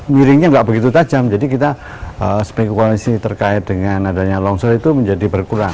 miringnya nggak begitu tajam jadi kita spekulasi terkait dengan adanya longsor itu menjadi berkurang